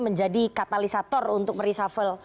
menjadi katalisator untuk meresafel